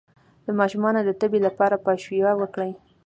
د ماشوم د تبې لپاره پاشویه وکړئ